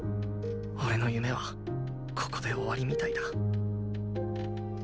俺の夢はここで終わりみたいだ